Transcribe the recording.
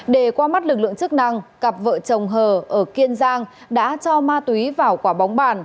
để qua mắt lực lượng chức năng cặp vợ chồng hờ ở kiên giang đã cho ma túy vào quả bóng bàn